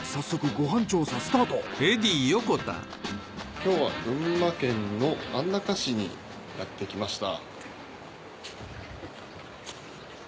今日は群馬県の安中市にやってきました。